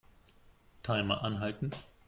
Timer anhalten.